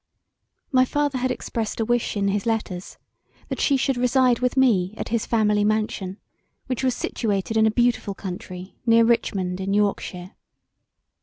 My father had expressed a wish in his letters that she should reside with me at his family mansion which was situated in a beautiful country near Richmond in Yorkshire.